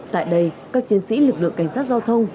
tại đây các chiến sĩ lực lượng cảnh sát giao thông